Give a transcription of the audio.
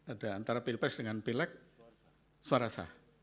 ada antara pilpres dengan pileg suara sah